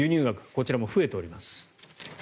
こちらも増えております。